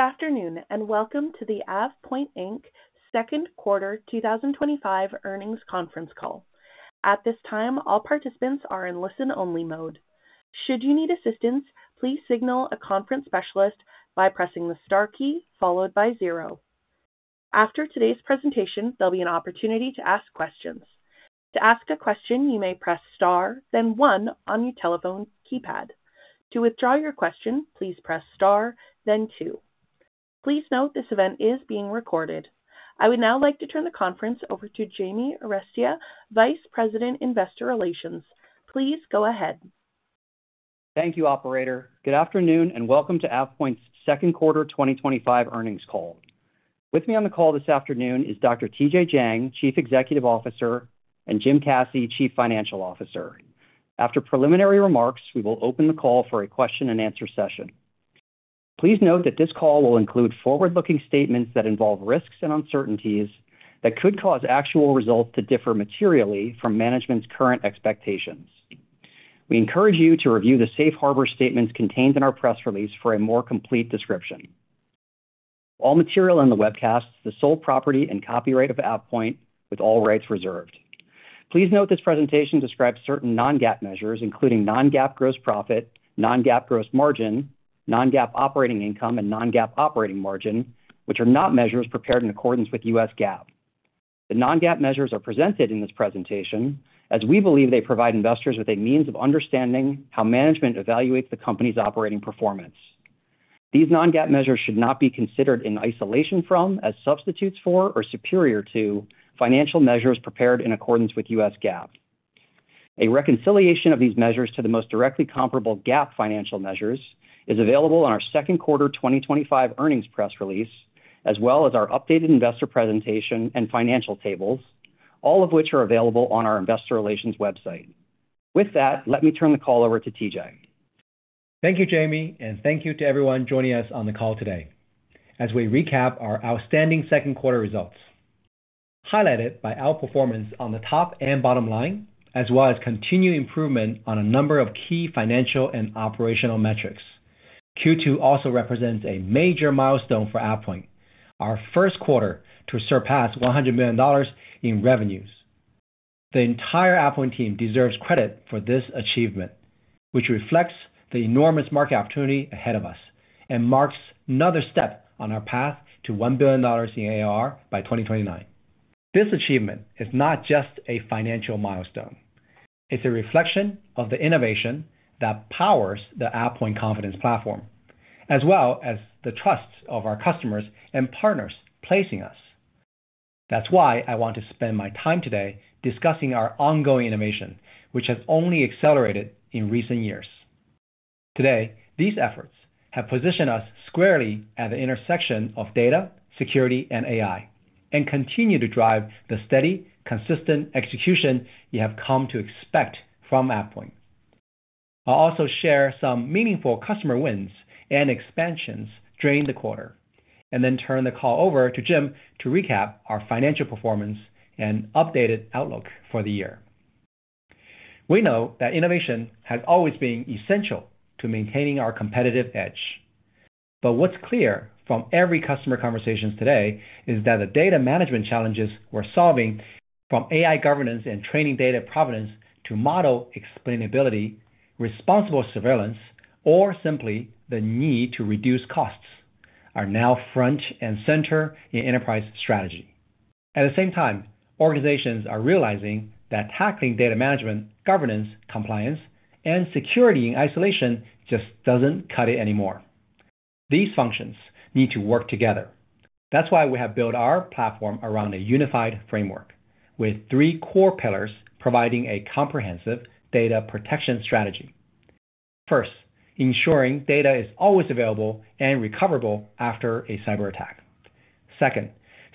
Good afternoon and Welcome to the AvePoint Inc. Second Quarter 2025 Earnings Conference Call. At this time, all participants are in listen-only mode. Should you need assistance, please signal a conference specialist by pressing the star key followed by zero. After today's presentation, there'll be an opportunity to ask questions. To ask a question, you may press star, then one on your telephone keypad. To withdraw your question, please press star, then two. Please note this event is being recorded. I would now like to turn the conference over to Jamie Arestia, Vice President, Investor Relations. Please go ahead. Thank you, Operator. Good afternoon and welcome to AvePoint's second quarter 2025 earnings call. With me on the call this afternoon is Dr. Tj Jiang, Chief Executive Officer, and Jim Caci, Chief Financial Officer. After preliminary remarks, we will open the call for a question and answer session. Please note that this call will include forward-looking statements that involve risks and uncertainties that could cause actual results to differ materially from management's current expectations. We encourage you to review the safe harbor statements contained in our press release for a more complete description. All material in the webcast is the sole property and copyright of AvePoint, with all rights reserved. Please note this presentation describes certain non-GAAP measures, including non-GAAP gross profit, non-GAAP gross margin, non-GAAP operating income, and non-GAAP operating margin, which are not measures prepared in accordance with U.S. GAAP. The non-GAAP measures are presented in this presentation as we believe they provide investors with a means of understanding how management evaluates the company's operating performance. These non-GAAP measures should not be considered in isolation from, as substitutes for, or superior to financial measures prepared in accordance with U.S. GAAP. A reconciliation of these measures to the most directly comparable GAAP financial measures is available on our second quarter 2025 earnings press release, as well as our updated investor presentation and financial tables, all of which are available on our Investor Relations website. With that, let me turn the call over to Tj. Thank you, Jamie, and thank you to everyone joining us on the call today. As we recap our outstanding second quarter results, highlighted by our performance on the top and bottom line, as well as continued improvement on a number of key financial and operational metrics, Q2 also represents a major milestone for AvePoint, our first quarter to surpass $100 million in revenues. The entire AvePoint team deserves credit for this achievement, which reflects the enormous market opportunity ahead of us and marks another step on our path to $1 billion in ARR by 2029. This achievement is not just a financial milestone, it's a reflection of the innovation that powers the AvePoint Confidence Platform, as well as the trust of our customers and partners placing us. That's why I want to spend my time today discussing our ongoing innovation, which has only accelerated in recent years. Today, these efforts have positioned us squarely at the intersection of data, security, and AI, and continue to drive the steady, consistent execution you have come to expect from AvePoint. I'll also share some meaningful customer wins and expansions during the quarter, and then turn the call over to Jim to recap our financial performance and updated outlook for the year. We know that innovation has always been essential to maintaining our competitive edge. What's clear from every customer conversation today is that the data management challenges we're solving, from AI governance and training data provenance to model explainability, responsible surveillance, or simply the need to reduce costs, are now front and center in enterprise strategy. At the same time, organizations are realizing that tackling data management, governance, compliance, and security in isolation just doesn't cut it anymore. These functions need to work together. That's why we have built our platform around a unified framework, with three core pillars providing a comprehensive data protection strategy. First, ensuring data is always available and recoverable after a cyber attack. Second,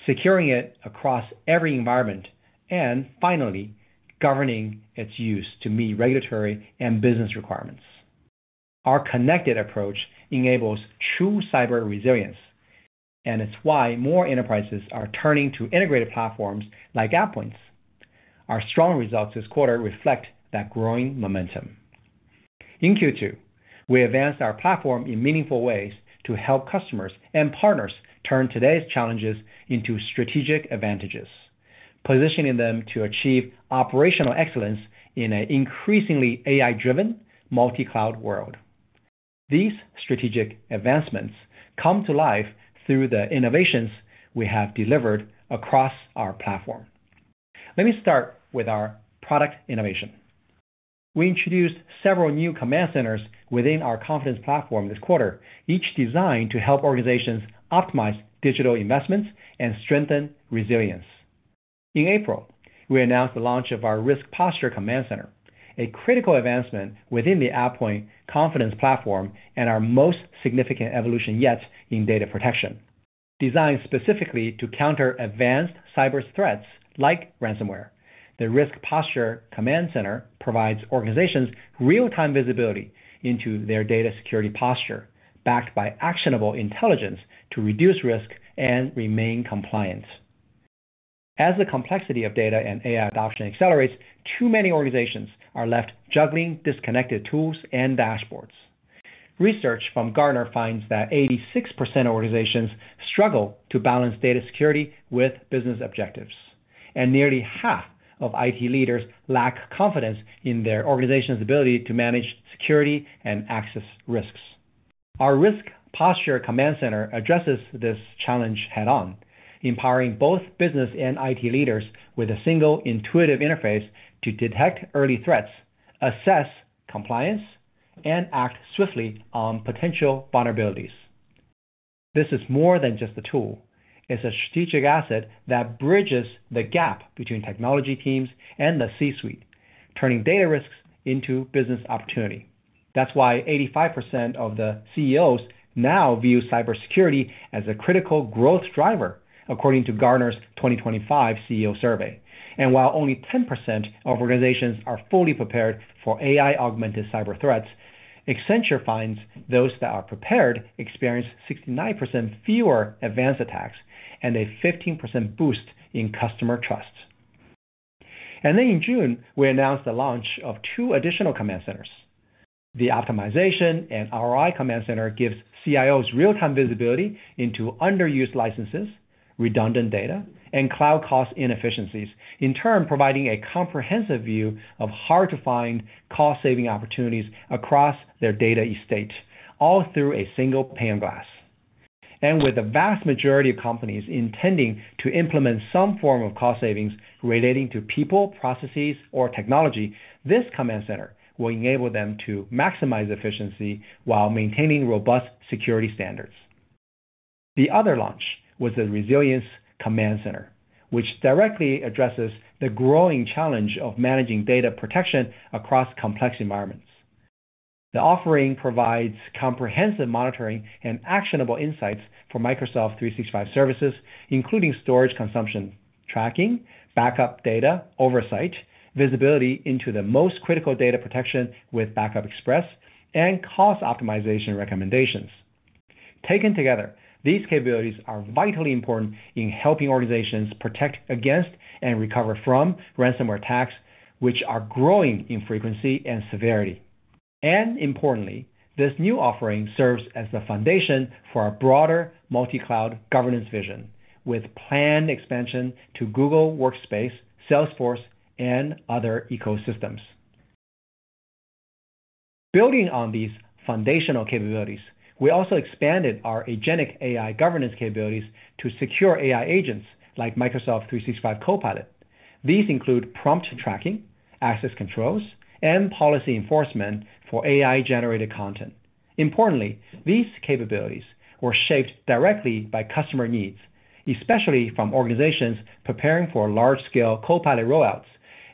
securing it across every environment. Finally, governing its use to meet regulatory and business requirements. Our connected approach enables true cyber resilience, and it's why more enterprises are turning to integrated platforms like AvePoint. Our strong results this quarter reflect that growing momentum. In Q2, we advanced our platform in meaningful ways to help customers and partners turn today's challenges into strategic advantages, positioning them to achieve operational excellence in an increasingly AI-driven, multi-cloud world. These strategic advancements come to life through the innovations we have delivered across our platform. Let me start with our product innovation. We introduced several new command centers within our AvePoint Confidence Platform this quarter, each designed to help organizations optimize digital investments and strengthen resilience. In April, we announced the launch of our Risk Posture Command Center, a critical advancement within the AvePoint Confidence Platform and our most significant evolution yet in data protection. Designed specifically to counter advanced cyber threats like ransomware, the Risk Posture Command Center provides organizations real-time visibility into their data security posture, backed by actionable intelligence to reduce risk and remain compliant. As the complexity of data and AI adoption accelerates, too many organizations are left juggling disconnected tools and dashboards. Research from Gartner finds that 86% of organizations struggle to balance data security with business objectives, and nearly half of IT leaders lack confidence in their organization's ability to manage security and access risks. Our Risk Posture Command Center addresses this challenge head-on, empowering both business and IT leaders with a single intuitive interface to detect early threats, assess compliance, and act swiftly on potential vulnerabilities. This is more than just a tool; it's a strategic asset that bridges the gap between technology teams and the C-suite, turning data risks into business opportunity. That is why 85% of CEOs now view cybersecurity as a critical growth driver, according to Gartner's 2025 CEO survey. While only 10% of organizations are fully prepared for AI-augmented cyber threats, Accenture finds those that are prepared experience 69% fewer advanced attacks and a 15% boost in customer trust. In June, we announced the launch of two additional command centers. The Optimization and ROI Command Center gives CIOs real-time visibility into underused licenses, redundant data, and cloud cost inefficiencies, in turn providing a comprehensive view of hard-to-find cost-saving opportunities across their data estate, all through a single pane of glass. With the vast majority of companies intending to implement some form of cost savings relating to people, processes, or technology, this command center will enable them to maximize efficiency while maintaining robust security standards. The other launch was the Resilience Command Center, which directly addresses the growing challenge of managing data protection across complex environments. The offering provides comprehensive monitoring and actionable insights for Microsoft 365 services, including storage consumption, tracking, backup data oversight, visibility into the most critical data protection with Backup Express, and cost optimization recommendations. Taken together, these capabilities are vitally important in helping organizations protect against and recover from ransomware attacks, which are growing in frequency and severity. Importantly, this new offering serves as the foundation for our broader multi-cloud governance vision, with planned expansion to Google Workspace, Salesforce, and other ecosystems. Building on these foundational capabilities, we also expanded our Agentic AI governance capabilities to secure AI agents like Microsoft 365 Copilot. These include prompt tracking, access controls, and policy enforcement for AI-generated content. Importantly, these capabilities were shaped directly by customer needs, especially from organizations preparing for large-scale Copilot rollouts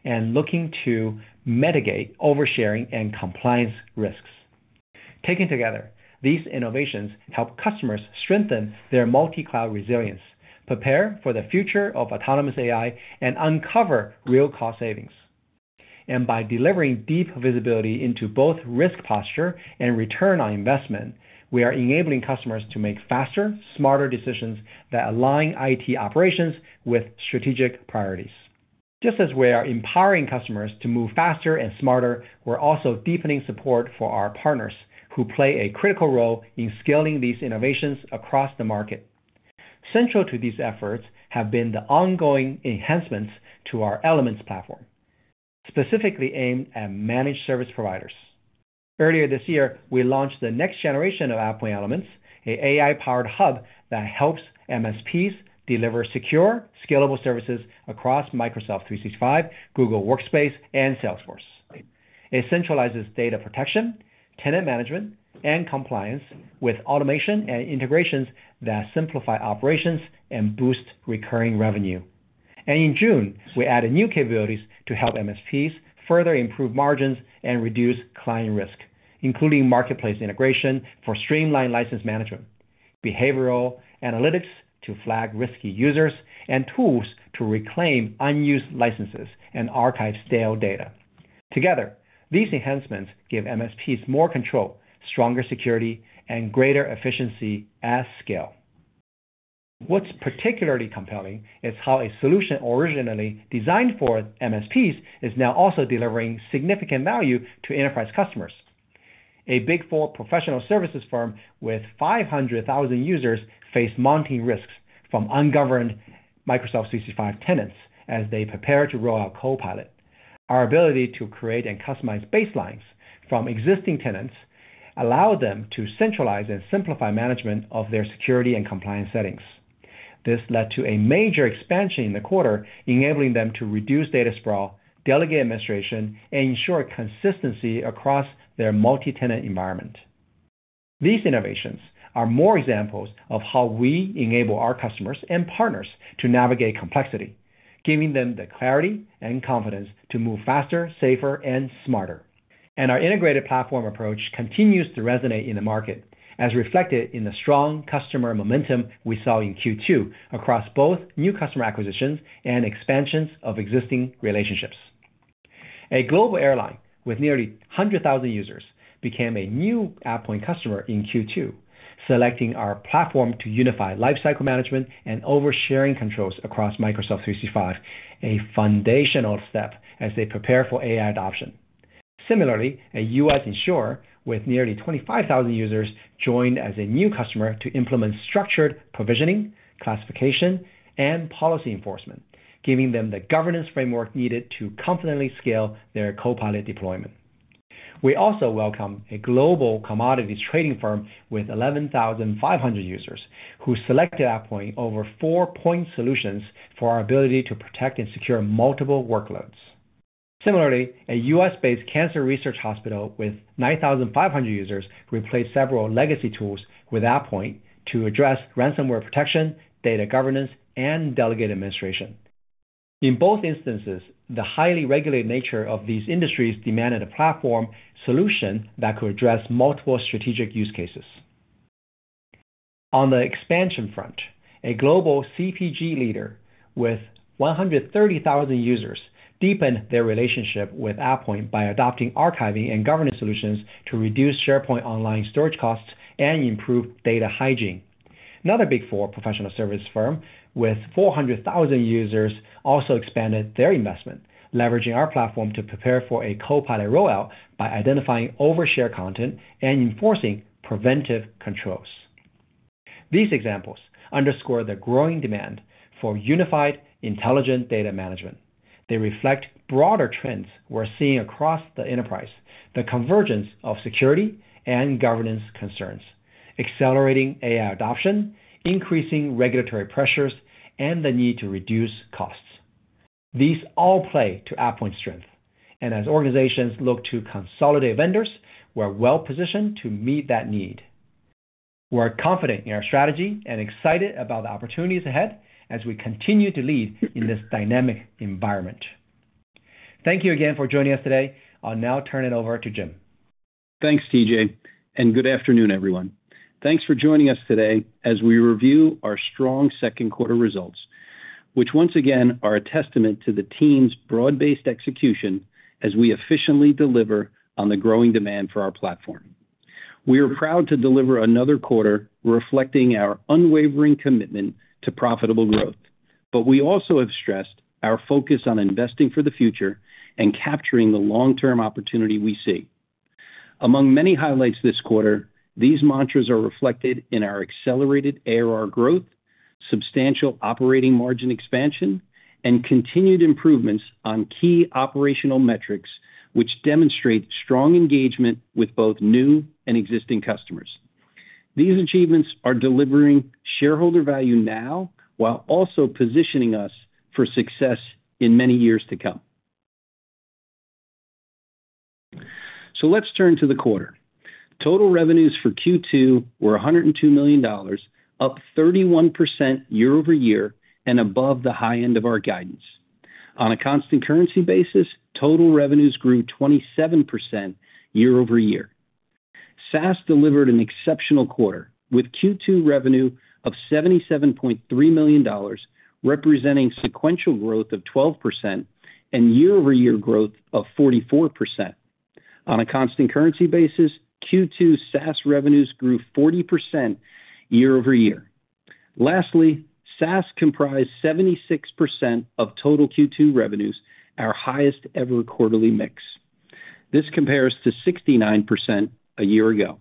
and looking to mitigate oversharing and compliance risks. Taken together, these innovations help customers strengthen their multi-cloud resilience, prepare for the future of autonomous AI, and uncover real cost savings. By delivering deep visibility into both risk posture and return on investment, we are enabling customers to make faster, smarter decisions that align IT operations with strategic priorities. Just as we are empowering customers to move faster and smarter, we're also deepening support for our partners, who play a critical role in scaling these innovations across the market. Central to these efforts have been the ongoing enhancements to our Elements Platform, specifically aimed at managed service providers. Earlier this year, we launched the next generation of AvePoint Elements, an AI-powered hub that helps MSPs deliver secure, scalable services across Microsoft 365, Google Workspace, and Salesforce. It centralizes data protection, tenant management, and compliance with automation and integrations that simplify operations and boost recurring revenue. In June, we added new capabilities to help MSPs further improve margins and reduce client risk, including marketplace integration for streamlined license management, behavioral analytics to flag risky users, and tools to reclaim unused licenses and archive stale data. Together, these enhancements give MSPs more control, stronger security, and greater efficiency at scale. What's particularly compelling is how a solution originally designed for MSPs is now also delivering significant value to enterprise customers. A Big Four professional services firm with 500,000 users faced mounting risks from ungoverned Microsoft 365 tenants as they prepared to roll out Copilot. Our ability to create and customize baselines from existing tenants allowed them to centralize and simplify management of their security and compliance settings. This led to a major expansion in the quarter, enabling them to reduce data sprawl, delegate administration, and ensure consistency across their multi-tenant environment. These innovations are more examples of how we enable our customers and partners to navigate complexity, giving them the clarity and confidence to move faster, safer, and smarter. Our integrated platform approach continues to resonate in the market, as reflected in the strong customer momentum we saw in Q2 across both new customer acquisitions and expansions of existing relationships. A global airline with nearly 100,000 users became a new AvePoint customer in Q2, selecting our platform to unify lifecycle management and oversharing controls across Microsoft 365, a foundational step as they prepare for AI adoption. Similarly, a US insurer with nearly 25,000 users joined as a new customer to implement structured provisioning, classification, and policy enforcement, giving them the governance framework needed to confidently scale their Copilot deployment. We also welcomed a global commodities trading firm with 11,500 users who selected AvePoint over four point solutions for our ability to protect and secure multiple workloads. Similarly, a US-based cancer research hospital with 9,500 users replaced several legacy tools with AvePoint to address ransomware protection, data governance, and delegated administration. In both instances, the highly regulated nature of these industries demanded a platform solution that could address multiple strategic use cases. On the expansion front, a global CPG leader with 130,000 users deepened their relationship with AvePoint by adopting archiving and governance solutions to reduce SharePoint Online storage costs and improve data hygiene. Another Big Four professional service firm with 400,000 users also expanded their investment, leveraging our platform to prepare for a Copilot rollout by identifying overshared content and enforcing preventive controls. These examples underscore the growing demand for unified, intelligent data management. They reflect broader trends we're seeing across the enterprise, the convergence of security and governance concerns, accelerating AI adoption, increasing regulatory pressures, and the need to reduce costs. These all play to AvePoint's strength. As organizations look to consolidate vendors, we're well-positioned to meet that need. We're confident in our strategy and excited about the opportunities ahead as we continue to lead in this dynamic environment. Thank you again for joining us today. I'll now turn it over to Jim. Thanks, Tj, and good afternoon, everyone. Thanks for joining us today as we review our strong second quarter results, which once again are a testament to the team's broad-based execution as we efficiently deliver on the growing demand for our platform. We are proud to deliver another quarter reflecting our unwavering commitment to profitable growth, but we also have stressed our focus on investing for the future and capturing the long-term opportunity we see. Among many highlights this quarter, these mantras are reflected in our accelerated ARR growth, substantial operating margin expansion, and continued improvements on key operational metrics, which demonstrate strong engagement with both new and existing customers. These achievements are delivering shareholder value now while also positioning us for success in many years to come. Let's turn to the quarter. Total revenues for Q2 were $102 million, up 31% year-over-year and above the high end of our guidance. On a constant currency basis, total revenues grew 27% year-over-year. SaaS delivered an exceptional quarter, with Q2 revenue of $77.3 million, representing sequential growth of 12% and year-over-year growth of 44%. On a constant currency basis, Q2 SaaS revenues grew 40% year-over-year. Lastly, SaaS comprised 76% of total Q2 revenues, our highest ever quarterly mix. This compares to 69% a year ago.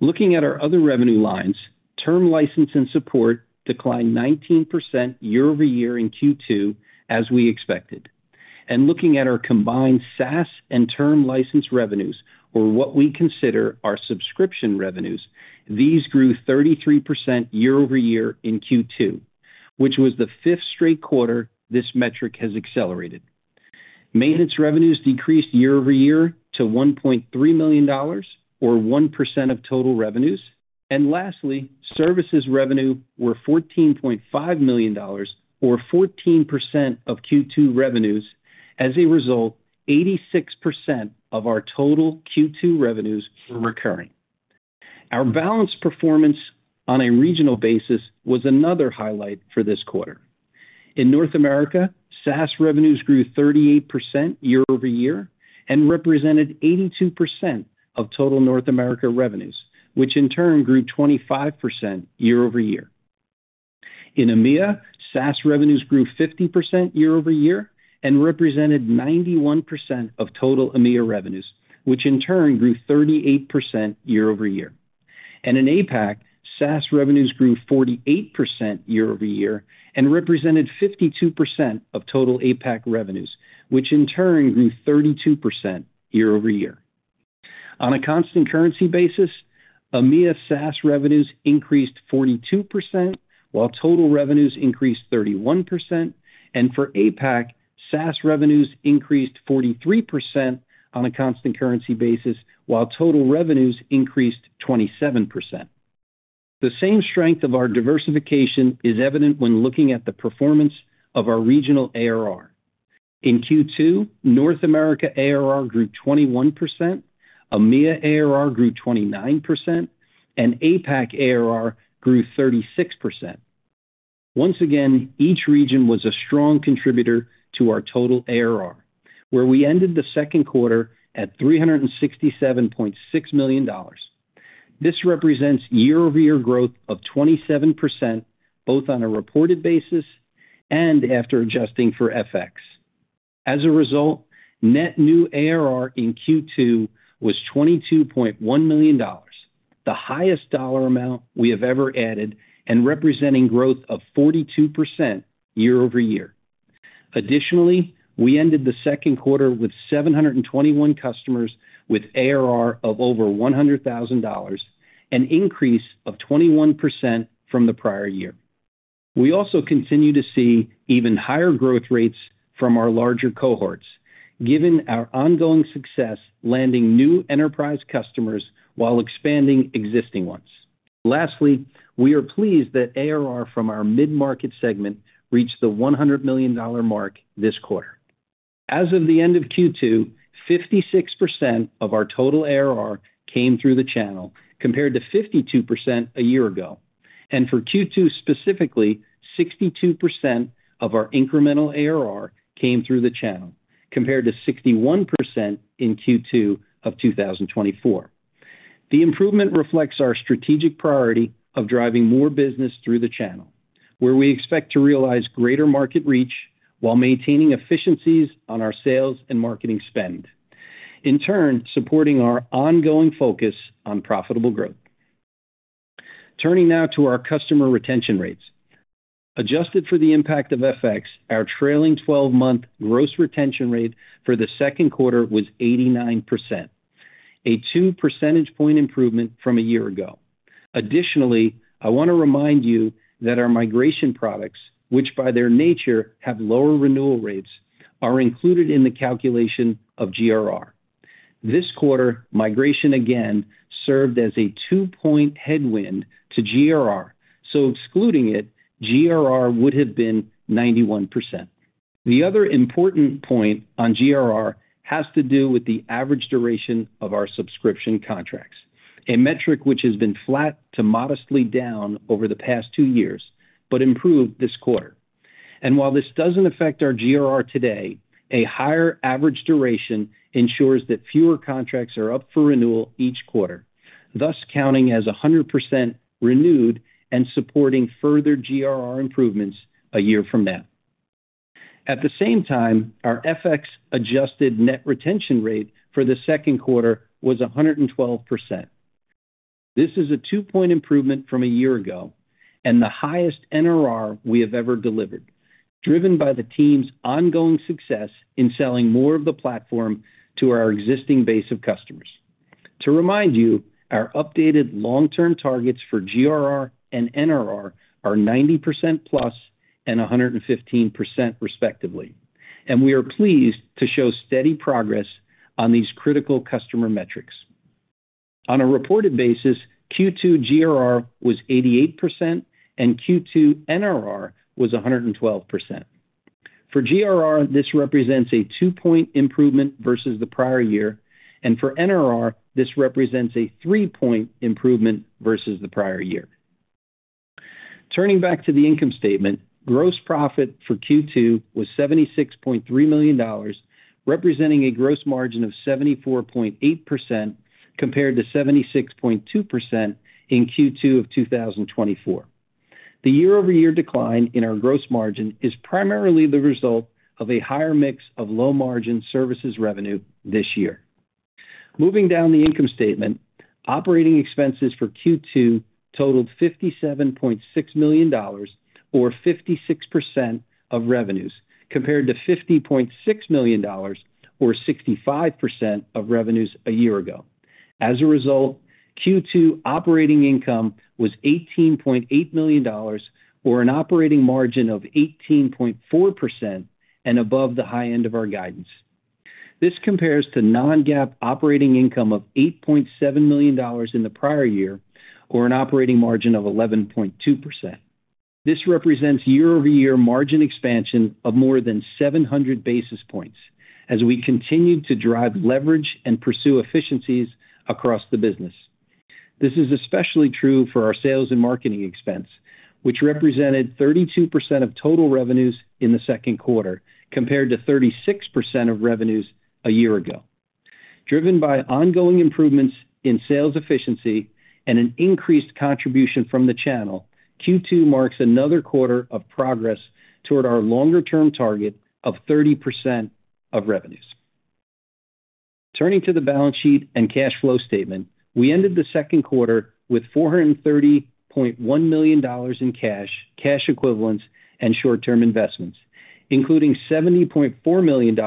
Looking at our other revenue lines, term license and support declined 19% year-over-year in Q2, as we expected. Looking at our combined SaaS and term license revenues, or what we consider our subscription revenues, these grew 33% year-over-year in Q2, which was the fifth straight quarter this metric has accelerated. Maintenance revenues decreased year-over-year to $1.3 million, or 1% of total revenues. Lastly, services revenue were $14.5 million, or 14% of Q2 revenues. As a result, 86% of our total Q2 revenues were recurring. Our balanced performance on a regional basis was another highlight for this quarter. In North America, SaaS revenues grew 38% year-over-year and represented 82% of total North America revenues, which in turn grew 25% year-over-year. In EMEA, SaaS revenues grew 50% year-over-year and represented 91% of total EMEA revenues, which in turn grew 38% year-over-year. In APAC, SaaS revenues grew 48% year-over-year and represented 52% of total APAC revenues, which in turn grew 32% year-over-year. On a constant currency basis, EMEA SaaS revenues increased 42% while total revenues increased 31%. For APAC, SaaS revenues increased 43% on a constant currency basis, while total revenues increased 27%. The same strength of our diversification is evident when looking at the performance of our regional ARR. In Q2, North America ARR grew 21%, EMEA ARR grew 29%, and APAC ARR grew 36%. Each region was a strong contributor to our total ARR, where we ended the second quarter at $367.6 million. This represents year-over-year growth of 27%, both on a reported basis and after adjusting for FX. As a result, net new ARR in Q2 was $22.1 million, the highest dollar amount we have ever added and representing growth of 42% year-over-year. Additionally, we ended the second quarter with 721 customers with ARR of over $100,000, an increase of 21% from the prior year. We also continue to see even higher growth rates from our larger cohorts, given our ongoing success landing new enterprise customers while expanding existing ones. Lastly, we are pleased that ARR from our mid-market segment reached the $100 million mark this quarter. As of the end of Q2, 56% of our total ARR came through the channel, compared to 52% a year ago. For Q2 specifically, 62% of our incremental ARR came through the channel, compared to 61% in Q2 of 2024. The improvement reflects our strategic priority of driving more business through the channel, where we expect to realize greater market reach while maintaining efficiencies on our sales and marketing spend, in turn supporting our ongoing focus on profitable growth. Turning now to our customer retention rates. Adjusted for the impact of FX, our trailing 12-month gross retention rate for the second quarter was 89%, a two percentage point improvement from a year ago. I want to remind you that our migration products, which by their nature have lower renewal rates, are included in the calculation of GRR. This quarter, migration again served as a two-point headwind to GRR, so excluding it, GRR would have been 91%. The other important point on GRR has to do with the average duration of our subscription contracts, a metric which has been flat to modestly down over the past two years, but improved this quarter. While this doesn't affect our GRR today, a higher average duration ensures that fewer contracts are up for renewal each quarter, thus counting as 100% renewed and supporting further GRR improvements a year from now. At the same time, our FX-adjusted net retention rate for the second quarter was 112%. This is a two-point improvement from a year ago and the highest NRR we have ever delivered, driven by the team's ongoing success in selling more of the platform to our existing base of customers. To remind you, our updated long-term targets for GRR and NRR are 90% plus and 115% respectively, and we are pleased to show steady progress on these critical customer metrics. On a reported basis, Q2 GRR was 88% and Q2 NRR was 112%. For GRR, this represents a two-point improvement versus the prior year, and for NRR, this represents a three-point improvement versus the prior year. Turning back to the income statement, gross profit for Q2 was $76.3 million, representing a gross margin of 74.8% compared to 76.2% in Q2 of 2024. The year-over-year decline in our gross margin is primarily the result of a higher mix of low-margin services revenue this year. Moving down the income statement, operating expenses for Q2 totaled $57.6 million, or 56% of revenues, compared to $50.6 million, or 65% of revenues a year ago. As a result, Q2 operating income was $18.8 million, or an operating margin of 18.4% and above the high end of our guidance. This compares to non-GAAP operating income of $8.7 million in the prior year, or an operating margin of 11.2%. This represents year-over-year margin expansion of more than 700 basis points as we continue to drive leverage and pursue efficiencies across the business. This is especially true for our sales and marketing expense, which represented 32% of total revenues in the second quarter, compared to 36% of revenues a year ago. Driven by ongoing improvements in sales efficiency and an increased contribution from the channel, Q2 marks another quarter of progress toward our longer-term target of 30% of revenues. Turning to the balance sheet and cash flow statement, we ended the second quarter with $430.1 million in cash, cash equivalents, and short-term investments, including $70.4 million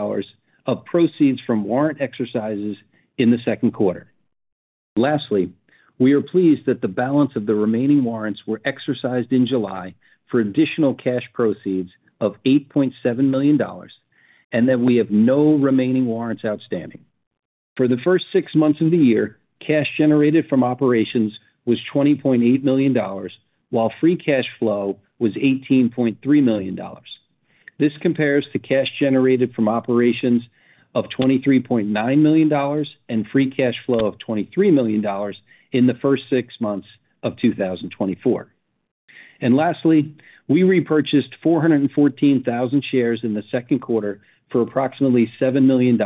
of proceeds from warrant exercises in the second quarter. Lastly, we are pleased that the balance of the remaining warrants were exercised in July for additional cash proceeds of $8.7 million and that we have no remaining warrants outstanding. For the first six months of the year, cash generated from operations was $20.8 million, while free cash flow was $18.3 million. This compares to cash generated from operations of $23.9 million and free cash flow of $23 million in the first six months of 2024. Lastly, we repurchased 414,000 shares in the second quarter for approximately $7 million.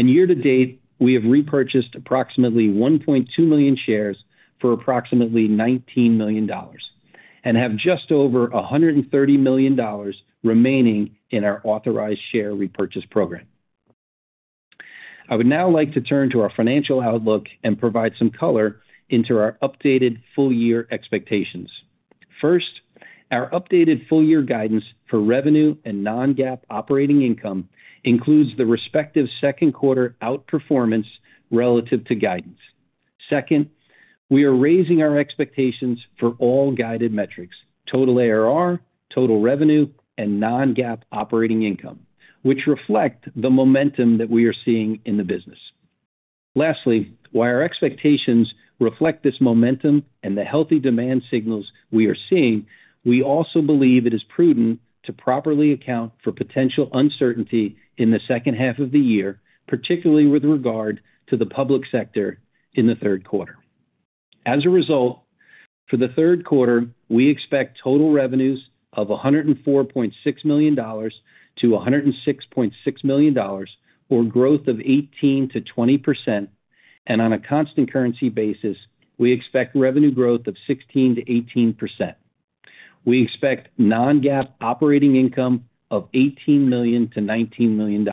Year to date, we have repurchased approximately $1.2 million shares for approximately $19 million and have just over $130 million remaining in our authorized share repurchase program. I would now like to turn to our financial outlook and provide some color into our updated full-year expectations. First, our updated full-year guidance for revenue and non-GAAP operating income includes the respective second quarter outperformance relative to guidance. Second, we are raising our expectations for all guided metrics: total ARR, total revenue, and non-GAAP operating income, which reflect the momentum that we are seeing in the business. Lastly, while our expectations reflect this momentum and the healthy demand signals we are seeing, we also believe it is prudent to properly account for potential uncertainty in the second half of the year, particularly with regard to the public sector in the third quarter. As a result, for the third quarter, we expect total revenues of $104.6 million-$106.6 million, or growth of 18%-20%. On a constant currency basis, we expect revenue growth of 16%-18%. We expect non-GAAP operating income of $18 million-$19 million.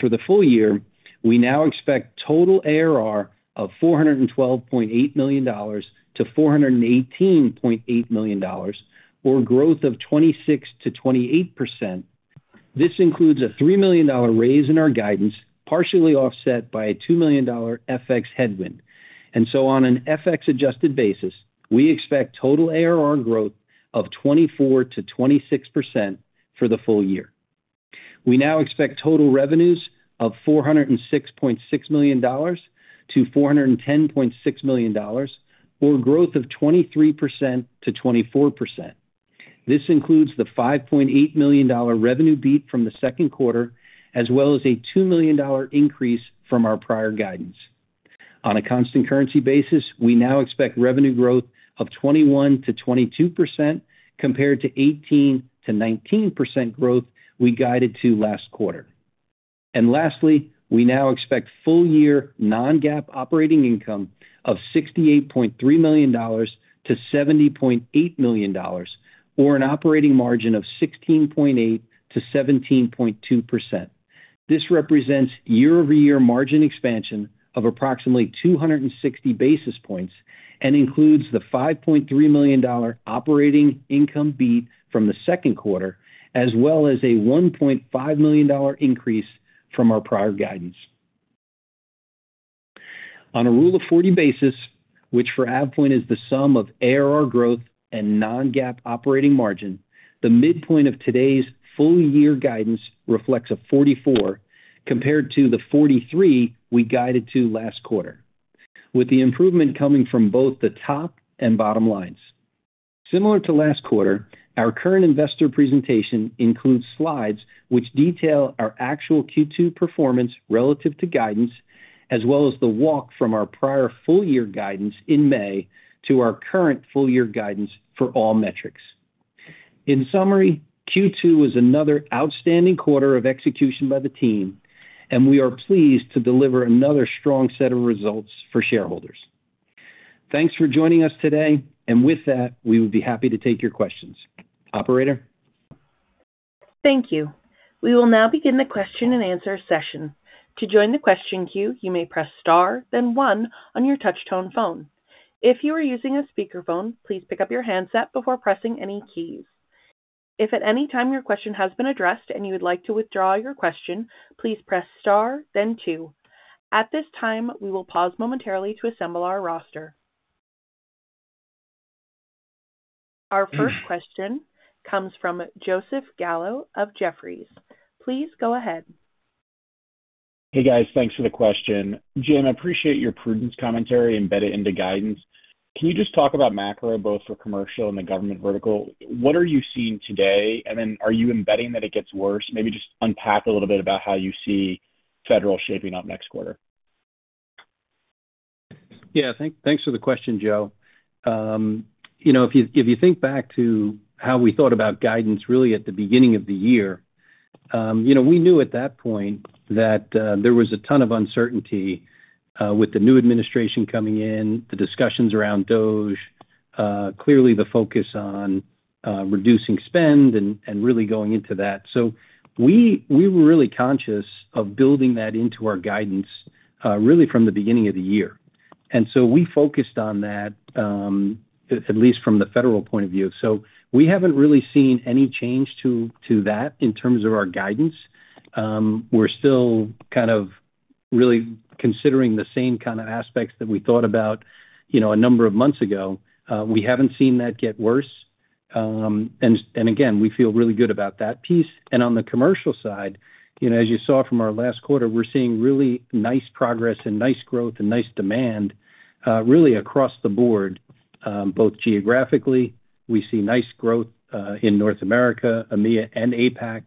For the full year, we now expect total ARR of $412.8 million-$418.8 million, or growth of 26%-28%. This includes a $3 million raise in our guidance, partially offset by a $2 million FX headwind. On an FX-adjusted basis, we expect total ARR growth of 24%-26% for the full year. We now expect total revenues of $406.6 million-$410.6 million, or growth of 23%-24%. This includes the $5.8 million revenue beat from the second quarter, as well as a $2 million increase from our prior guidance. On a constant currency basis, we now expect revenue growth of 21%-22% compared to 18%-19% growth we guided to last quarter. Lastly, we now expect full-year non-GAAP operating income of $68.3 million-$70.8 million, or an operating margin of 16.8%-17.2%. This represents year-over-year margin expansion of approximately 260 basis points and includes the $5.3 million operating income beat from the second quarter, as well as a $1.5 million increase from our prior guidance. On a rule of 40 basis, which for AvePoint is the sum of ARR growth and non-GAAP operating margin, the midpoint of today's full-year guidance reflects a 44% compared to the 43% we guided to last quarter, with the improvement coming from both the top and bottom lines. Similar to last quarter, our current investor presentation includes slides which detail our actual Q2 performance relative to guidance, as well as the walk from our prior full-year guidance in May to our current full-year guidance for all metrics. In summary, Q2 was another outstanding quarter of execution by the team, and we are pleased to deliver another strong set of results for shareholders. Thanks for joining us today, and with that, we would be happy to take your questions. Operator? Thank you. We will now begin the question and answer session. To join the question queue, you may press star, then one on your touch-tone phone. If you are using a speakerphone, please pick up your handset before pressing any keys. If at any time your question has been addressed and you would like to withdraw your question, please press star, then two. At this time, we will pause momentarily to assemble our roster. Our first question comes from Joseph Gallo of Jefferies. Please go ahead. Hey, guys, thanks for the question. Jim, I appreciate your prudence commentary embedded into guidance. Can you just talk about macro, both for commercial and the government vertical? What are you seeing today? Are you embedding that it gets worse? Maybe just unpack a little bit about how you see federal shaping up next quarter. Yeah, thanks for the question, Joe. If you think back to how we thought about guidance really at the beginning of the year, we knew at that point that there was a ton of uncertainty with the new administration coming in, the discussions around DOGE, clearly the focus on reducing spend and really going into that. We were really conscious of building that into our guidance from the beginning of the year. We focused on that, at least from the federal point of view. We haven't really seen any change to that in terms of our guidance. We're still kind of really considering the same aspects that we thought about a number of months ago. We haven't seen that get worse. We feel really good about that piece. On the commercial side, as you saw from our last quarter, we're seeing really nice progress and nice growth and nice demand across the board, both geographically. We see nice growth in North America, EMEA, and APAC.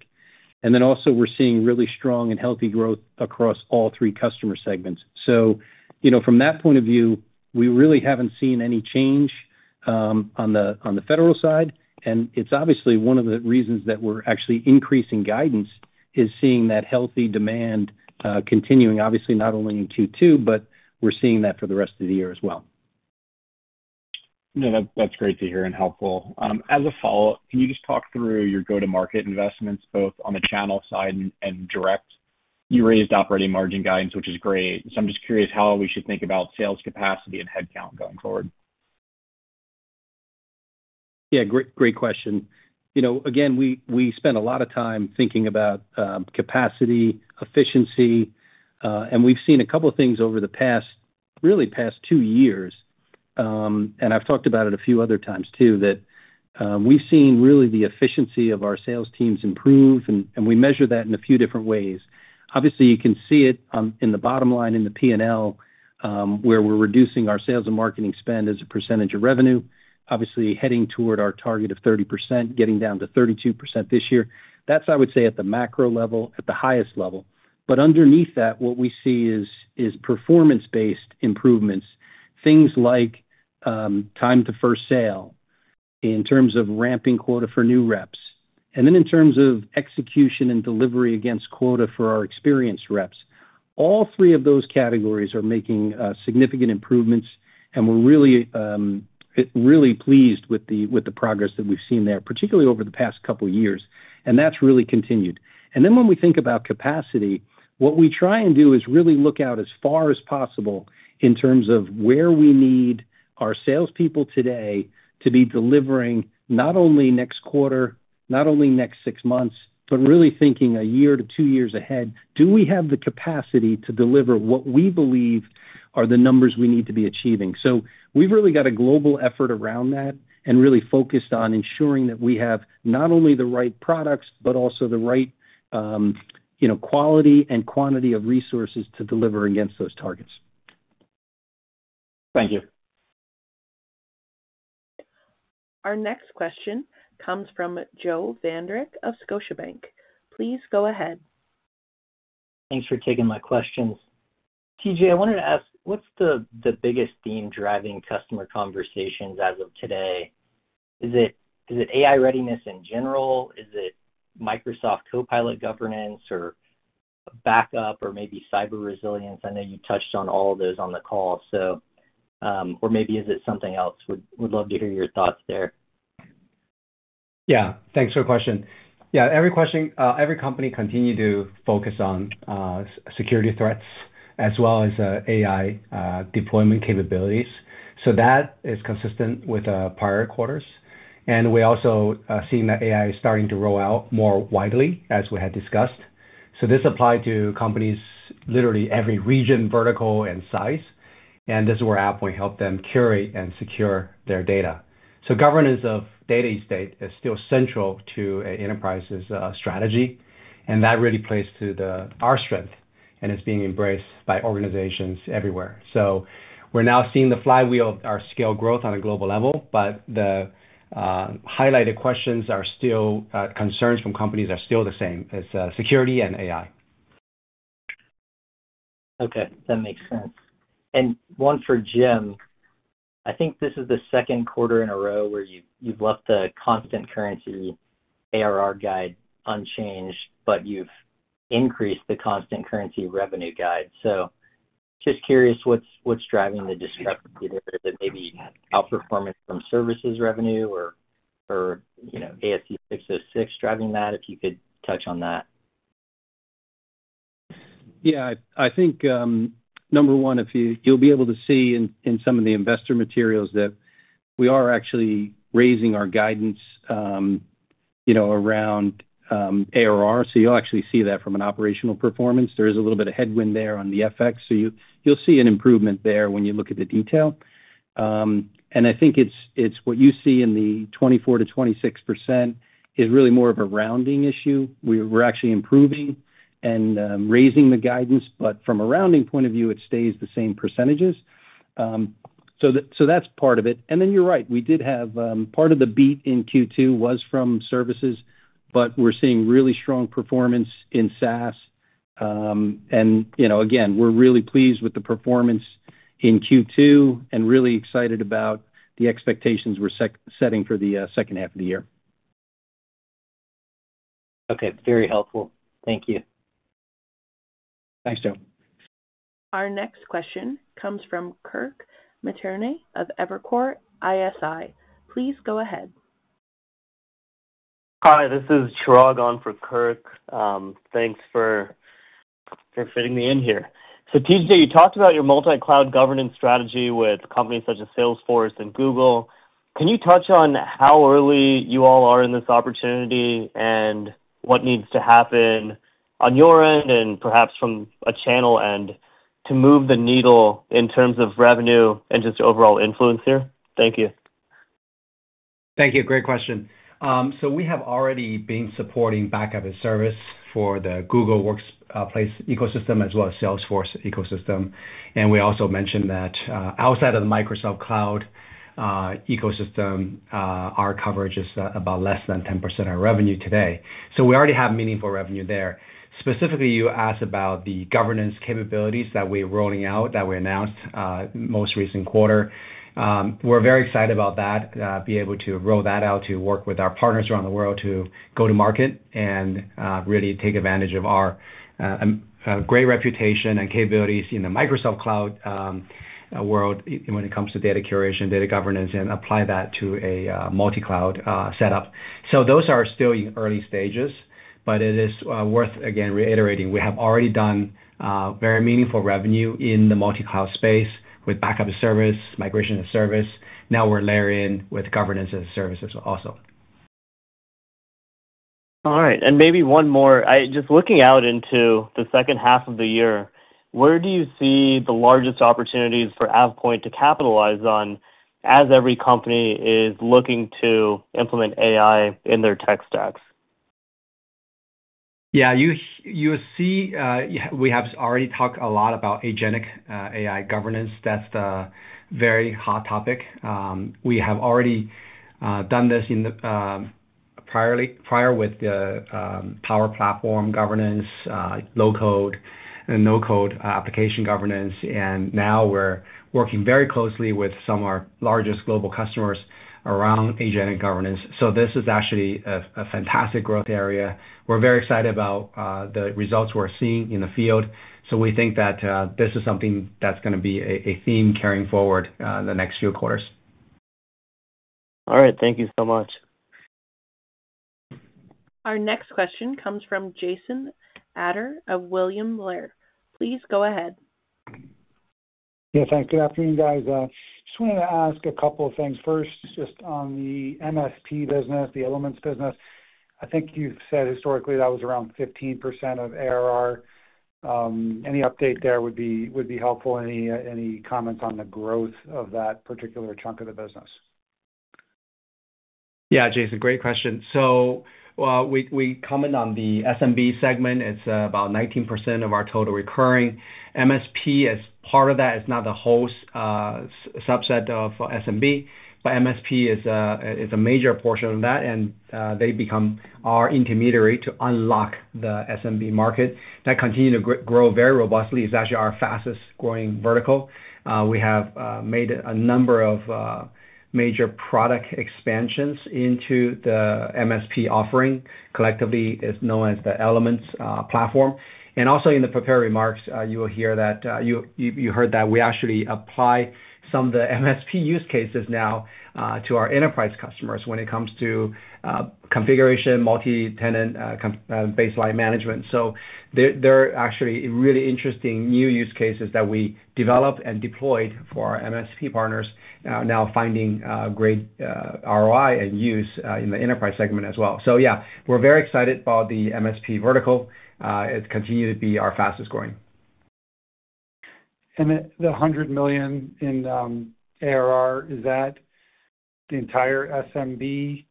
We're also seeing really strong and healthy growth across all three customer segments. From that point of view, we really haven't seen any change on the federal side. It's obviously one of the reasons that we're actually increasing guidance is seeing that healthy demand continuing, obviously not only in Q2, but we're seeing that for the rest of the year as well. No, that's great to hear and helpful. As a follow-up, can you just talk through your go-to-market investments, both on the channel side and direct? You raised operating margin guidance, which is great. I'm just curious how we should think about sales capacity and headcount going forward. Yeah, great question. You know, again, we spent a lot of time thinking about capacity, efficiency, and we've seen a couple of things over the past, really past two years. I've talked about it a few other times too, that we've seen really the efficiency of our sales teams improve, and we measure that in a few different ways. Obviously, you can see it in the bottom line in the P&L, where we're reducing our sales and marketing spend as a percentage of revenue, obviously, heading toward our target of 30%, getting down to 32% this year. That's, I would say, at the macro level, at the highest level. Underneath that, what we see is performance-based improvements, things like time to first sale in terms of ramping quota for new reps, and then in terms of execution and delivery against quota for our experienced reps. All three of those categories are making significant improvements, and we're really, really pleased with the progress that we've seen there, particularly over the past couple of years. That's really continued. When we think about capacity, what we try and do is really look out as far as possible in terms of where we need our salespeople today to be delivering not only next quarter, not only next six months, but really thinking a year to two years ahead. Do we have the capacity to deliver what we believe are the numbers we need to be achieving? We've really got a global effort around that and really focused on ensuring that we have not only the right products, but also the right, you know, quality and quantity of resources to deliver against those targets. Thank you. Our next question comes from Joe Vandrick of Scotiabank. Please go ahead. Thanks for taking my questions. Tj, I wanted to ask, what's the biggest theme driving customer conversations as of today? Is it AI readiness in general? Is it Microsoft 365 Copilot governance or backup or maybe cyber resilience? I know you touched on all of those on the call. Would love to hear your thoughts there. Yeah, thanks for the question. Every company continues to focus on security threats as well as AI deployment capabilities. That is consistent with prior quarters. We also see that AI is starting to roll out more widely, as we had discussed. This applies to companies literally every region, vertical, and size. This is where AvePoint helped them curate and secure their data. Governance of data estate is still central to an enterprise's strategy. That really plays to our strength and is being embraced by organizations everywhere. We're now seeing the flywheel of our scale growth on a global level, but the highlighted questions are still concerns from companies that are still the same as security and AI. Okay, that makes sense. One for Jim. I think this is the second quarter in a row where you've left the constant currency ARR guide unchanged, but you've increased the constant currency revenue guide. I'm just curious what's driving the discrepancy there. Is it maybe outperformance from services revenue or ASC 606 driving that? If you could touch on that. Yeah, I think number one, if you'll be able to see in some of the investor materials that we are actually raising our guidance, you know, around ARR. You'll actually see that from an operational performance. There is a little bit of headwind there on the FX. You'll see an improvement there when you look at the detail. I think what you see in the 24% to 26% is really more of a rounding issue. We're actually improving and raising the guidance, but from a rounding point of view, it stays the same percentages. That's part of it. You're right, we did have part of the beat in Q2 was from services, but we're seeing really strong performance in SaaS. You know, again, we're really pleased with the performance in Q2 and really excited about the expectations we're setting for the second half of the year. Okay, very helpful. Thank you. Thanks, Joe. Our next question comes from Kirk Maternay of Evercore ISI. Please go ahead. Hi, this is Rachwani on for Kirk. Thanks for fitting me in here. TJ, you talked about your multi-cloud governance strategy with companies such as Salesforce and Google. Can you touch on how early you all are in this opportunity and what needs to happen on your end and perhaps from a channel end to move the needle in terms of revenue and just overall influence here? Thank you. Thank you. Great question. We have already been supporting backup as a service for the Google Workspace ecosystem as well as the Salesforce ecosystem. We also mentioned that outside of the Microsoft Cloud ecosystem, our coverage is about less than 10% of revenue today. We already have meaningful revenue there. Specifically, you asked about the governance capabilities that we're rolling out that we announced the most recent quarter. We're very excited about that, being able to roll that out to work with our partners around the world to go to market and really take advantage of our great reputation and capabilities in the Microsoft Cloud world when it comes to data curation, data governance, and apply that to a multi-cloud setup. Those are still in early stages, but it is worth, again, reiterating, we have already done very meaningful revenue in the multi-cloud space with backup as a service, migration as a service. Now we're layering in with governance as a service also. All right. Maybe one more, just looking out into the second half of the year, where do you see the largest opportunities for AvePoint to capitalize on as every company is looking to implement AI in their tech stacks? Yeah, you'll see we have already talked a lot about Agentic AI governance. That's the very hot topic. We have already done this prior with the Power Platform governance, low-code and no-code application governance. Now we're working very closely with some of our largest global customers around Agentic governance. This is actually a fantastic growth area. We're very excited about the results we're seeing in the field. We think that this is something that's going to be a theme carrying forward the next few quarters. All right, thank you so much. Our next question comes from Jason Adder of William Blair. Please go ahead. Yeah, thanks. Good afternoon, guys. I just wanted to ask a couple of things. First, just on the MSP business, the Elements business, I think you said historically that was around 15% of ARR. Any update there would be helpful. Any comments on the growth of that particular chunk of the business? Yeah, Jason, great question. We comment on the SMB segment. It's about 19% of our total recurring MSP. As part of that, it's not the whole subset of SMB, but MSP is a major portion of that. They become our intermediary to unlock the SMB market. That continues to grow very robustly. It's actually our fastest growing vertical. We have made a number of major product expansions into the MSP offering. Collectively, it's known as the AvePoint Elements Platform. Also, in the prepared remarks, you heard that we actually apply some of the MSP use cases now to our enterprise customers when it comes to configuration and multi-tenant baseline management. There are actually really interesting new use cases that we developed and deployed for our MSP partners now finding great ROI and use in the enterprise segment as well. We're very excited about the MSP vertical. It's continued to be our fastest growing. Is the $100 million in ARR the entire SMB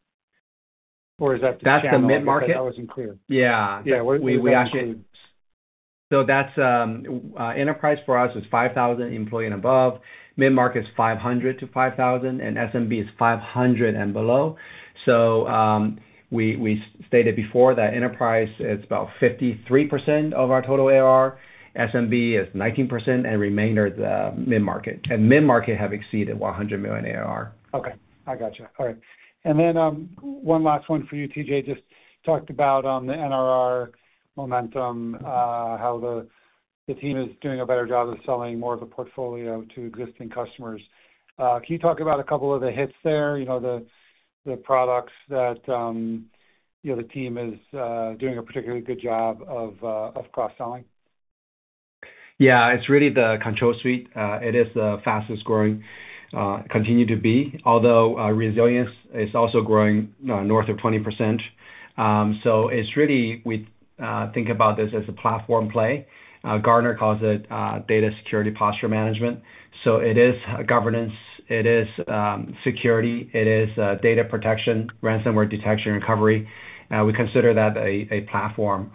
or is that the chunk of the SMB? Yeah, we actually, that's enterprise for us. It's 5,000 employees and above. Mid-market is 500-5,000 and SMB is 500 and below. We stated before that enterprise is about 53% of our total ARR. SMB is 19% and the remainder is the mid-market. Mid-market have exceeded $100 million ARR. Okay, I gotcha. All right. One last one for you, Tj, just talked about the NRR momentum, how the team is doing a better job of selling more of the portfolio to existing customers. Can you talk about a couple of the hits there, the products that the team is doing a particularly good job of cross-selling? Yeah, it's really the Control Suite. It is the fastest growing, continues to be, although resilience is also growing north of 20%. We think about this as a platform play. Gartner calls it data security posture management. It is governance, it is security, it is data protection, ransomware detection and recovery. We consider that a platform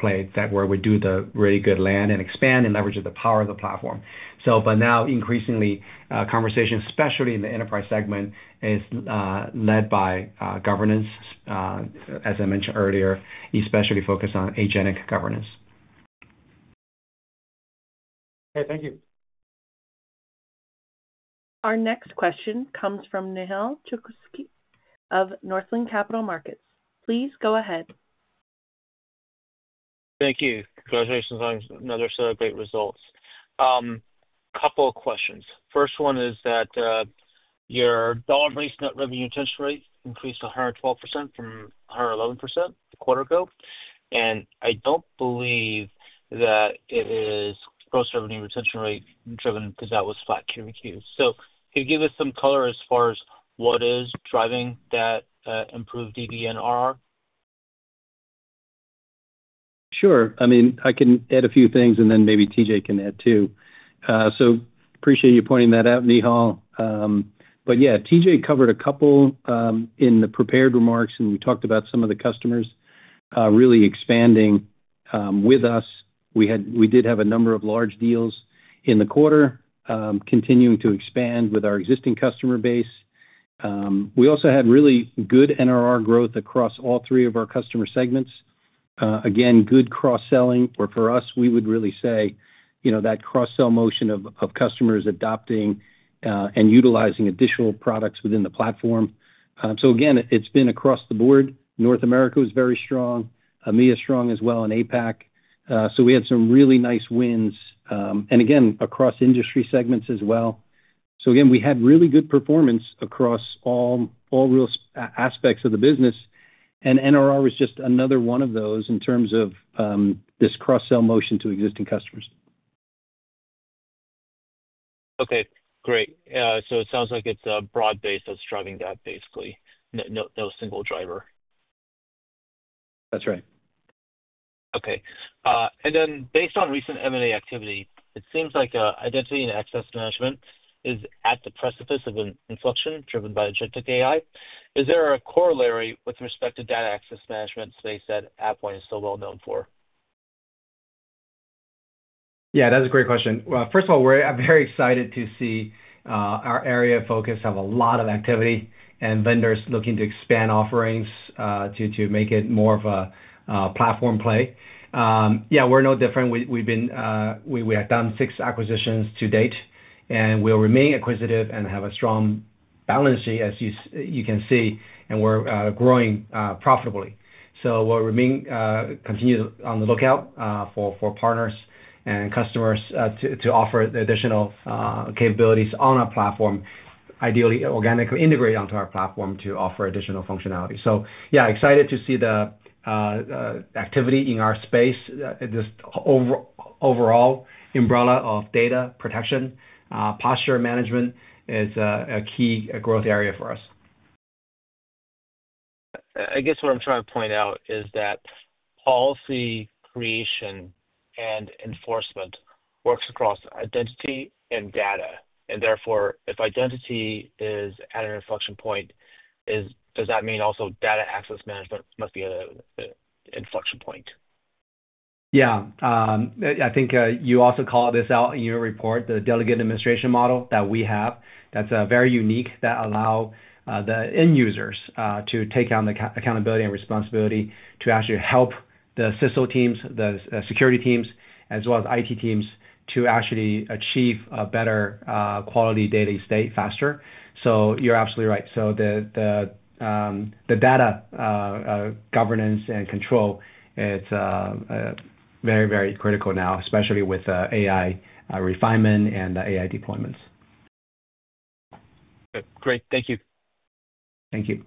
play where we do the really good land and expand and leverage the power of the platform. Now, increasingly, conversation, especially in the enterprise segment, is led by governance, as I mentioned earlier, especially focused on Agentic AI governance. Hey, thank you. Our next question comes from Nihal Chokshi of Northland Capital Markets. Please go ahead. Thank you. Congratulations on another set of great results. A couple of questions. First one is that your dollar-based net revenue retention rate increased to 112% from 111% a quarter ago. I don't believe that it is gross revenue retention rate driven because that was flat Q2Q. Can you give us some color as far as what is driving that improved DVNRR? Sure. I mean, I can add a few things and then maybe TJ can add too. Appreciate you pointing that out, Nihal. TJ covered a couple in the prepared remarks and we talked about some of the customers really expanding with us. We did have a number of large deals in the quarter, continuing to expand with our existing customer base. We also had really good NRR growth across all three of our customer segments. Again, good cross-selling, where for us, we would really say, you know, that cross-sell motion of customers adopting and utilizing additional products within the platform. It's been across the board. North America was very strong. EMEA is strong as well in APAC. We had some really nice wins, and across industry segments as well. We had really good performance across all real aspects of the business. NRR was just another one of those in terms of this cross-sell motion to existing customers. Okay, great. It sounds like it's a broad base that's driving that basically. No single driver. That's right. Okay. Based on recent M&A activity, it seems like identity and access management is at the precipice of an inflection driven by agentic AI. Is there a corollary with respect to data access management space that AvePoint is so well known for? Yeah, that's a great question. First of all, we're very excited to see our area of focus have a lot of activity and vendors looking to expand offerings to make it more of a platform play. We're no different. We've been, we have done six acquisitions to date and we'll remain acquisitive and have a strong balance sheet, as you can see, and we're growing profitably. We'll remain continued on the lookout for partners and customers to offer the additional capabilities on our platform, ideally organically integrated onto our platform to offer additional functionality. Yeah, excited to see the activity in our space. This overall umbrella of data protection posture management is a key growth area for us. What I'm trying to point out is that policy creation and enforcement works across identity and data. Therefore, if identity is at an inflection point, does that mean also data access management must be at an inflection point? Yeah, I think you also call this out in your report, the delegated administration model that we have, that's very unique, that allows the end users to take on the accountability and responsibility to actually help the CISO teams, the security teams, as well as IT teams to actually achieve a better quality data estate faster. You're absolutely right. The data governance and control is very, very critical now, especially with AI refinement and AI deployments. Great, thank you. Thank you.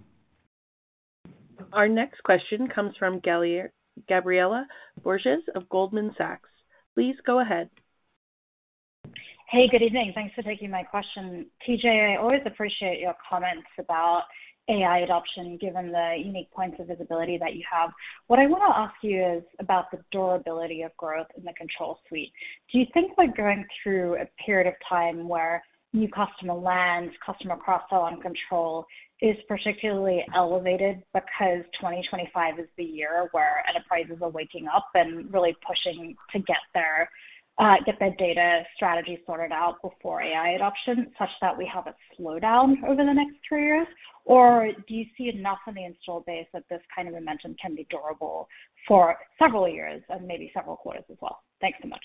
Our next question comes from Gabriela Borges of Goldman Sachs. Please go ahead. Hey, good evening. Thanks for taking my question. Tj, I always appreciate your comments about AI adoption, given the unique points of visibility that you have. What I want to ask you is about the durability of growth in the Control Suite. Do you think we're going through a period of time where new customer land, customer cross-sell on control is particularly elevated because 2025 is the year where enterprises are waking up and really pushing to get their data strategy sorted out before AI adoption such that we have a slowdown over the next three years? Or do you see enough in the install base that this kind of invention can be durable for several years and maybe several quarters as well? Thanks so much.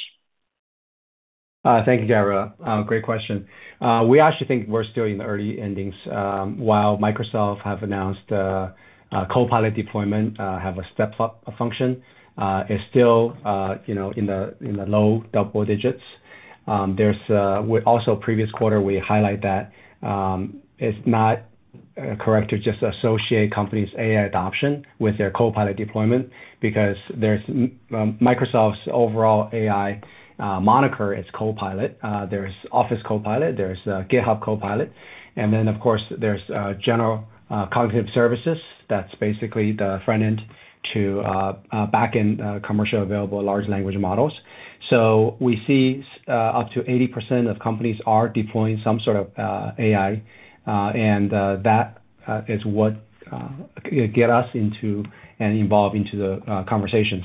Thank you, Gabriela. Great question. We actually think we're still in the early innings. While Microsoft has announced the Copilot deployment has a step-up function, it's still, you know, in the low double digits. In a previous quarter, we highlighted that it's not correct to just associate companies' AI adoption with their Copilot deployment because Microsoft's overall AI moniker is Copilot. There's Office Copilot, there's GitHub Copilot, and then, of course, there's General Cognitive Services. That's basically the frontend to backend commercially available large language models. We see up to 80% of companies are deploying some sort of AI, and that is what gets us involved in the conversations.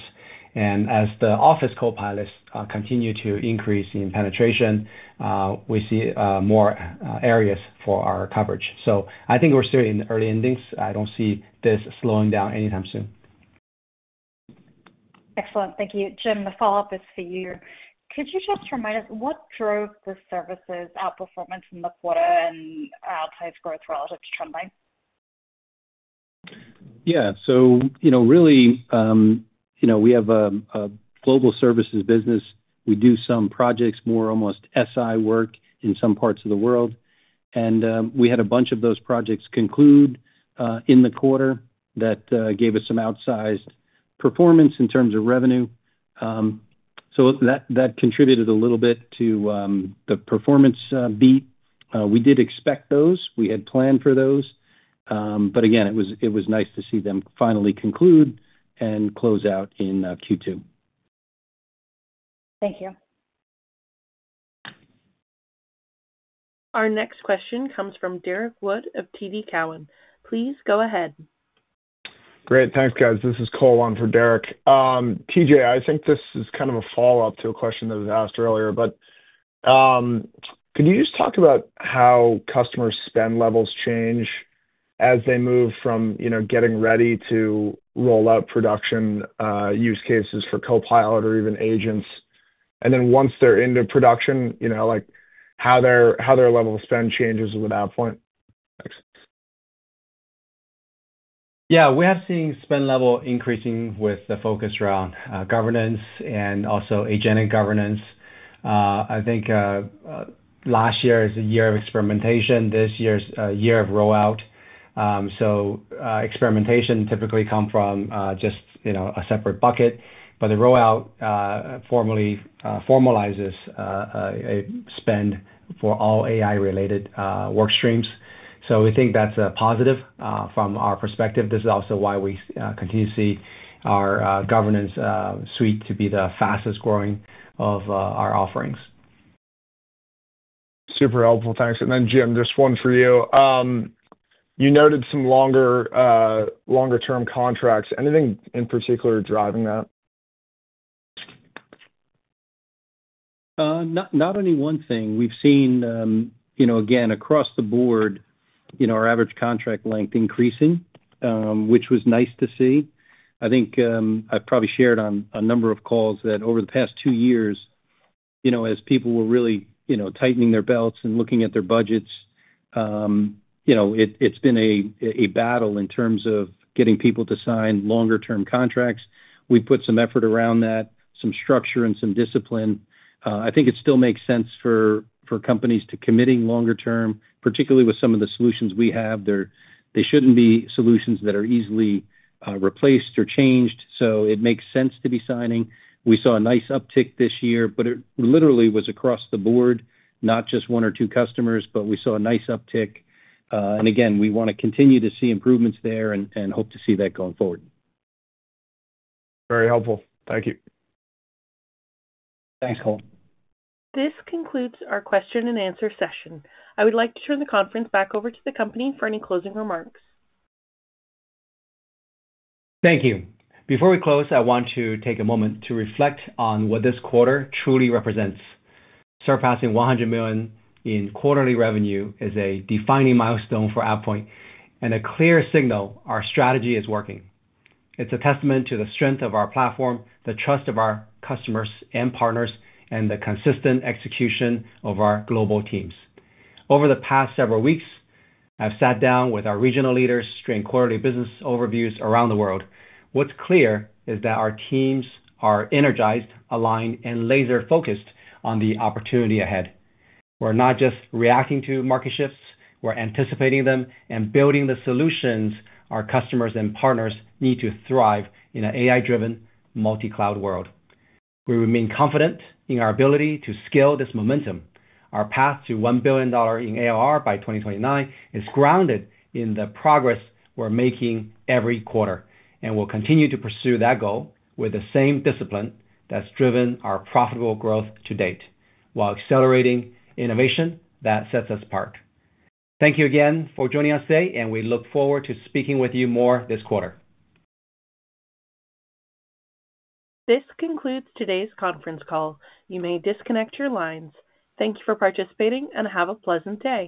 As the Office Copilots continue to increase in penetration, we see more areas for our coverage. I think we're still in the early innings. I don't see this slowing down anytime soon. Excellent. Thank you. Jim, the follow-up is for you. Could you just remind us what drove the services outperformance in the quarter and outsized growth relative to trend line? Yeah, really, we have a global services business. We do some projects, more almost SI work in some parts of the world. We had a bunch of those projects conclude in the quarter that gave us some outsized performance in terms of revenue. That contributed a little bit to the performance beat. We did expect those. We had planned for those. It was nice to see them finally conclude and close out in Q2. Thank you. Our next question comes from Derrick Wood of TD Cowen. Please go ahead. Great, thanks, guys. This is Cole on for Derek. Tj, I think this is kind of a follow-up to a question that was asked earlier. Could you just talk about how customer spend levels change as they move from, you know, getting ready to roll out production use cases for Copilot or even agents? Once they're into production, you know, like how their level of spend changes with AvePoint? Yeah, we have seen spend level increasing with the focus around governance and also Agentic AI governance. I think last year is a year of experimentation. This year is a year of rollout. Experimentation typically comes from just, you know, a separate bucket, but the rollout formalizes a spend for all AI-related workstreams. We think that's a positive from our perspective. This is also why we continue to see our governance suite to be the fastest growing of our offerings. Super helpful, thanks. Jim, just one for you. You noted some longer-term contracts. Anything in particular driving that? Not only one thing, we've seen across the board, you know, our average contract length increasing, which was nice to see. I think I've probably shared on a number of calls that over the past two years, as people were really tightening their belts and looking at their budgets, it's been a battle in terms of getting people to sign longer-term contracts. We've put some effort around that, some structure and some discipline. I think it still makes sense for companies to commit longer-term, particularly with some of the solutions we have. They shouldn't be solutions that are easily replaced or changed. It makes sense to be signing. We saw a nice uptick this year, but it literally was across the board, not just one or two customers, but we saw a nice uptick. We want to continue to see improvements there and hope to see that going forward. Very helpful. Thank you. Thanks, Cole. This concludes our question and answer session. I would like to turn the conference back over to the company for any closing remarks. Thank you. Before we close, I want to take a moment to reflect on what this quarter truly represents. Surpassing $100 million in quarterly revenue is a defining milestone for AvePoint and a clear signal our strategy is working. It's a testament to the strength of our platform, the trust of our customers and partners, and the consistent execution of our global teams. Over the past several weeks, I've sat down with our regional leaders during quarterly business overviews around the world. What's clear is that our teams are energized, aligned, and laser-focused on the opportunity ahead. We're not just reacting to market shifts, we're anticipating them and building the solutions our customers and partners need to thrive in an AI-driven multi-cloud world. We remain confident in our ability to scale this momentum. Our path to $1 billion in ARR by 2029 is grounded in the progress we're making every quarter, and we'll continue to pursue that goal with the same discipline that's driven our profitable growth to date, while accelerating innovation that sets us apart. Thank you again for joining us today, and we look forward to speaking with you more this quarter. This concludes today's conference call. You may disconnect your lines. Thank you for participating and have a pleasant day.